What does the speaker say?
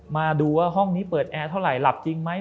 มาดูว่าห้องนี้เปิดแอร์เท่าไหหลับจริงไหม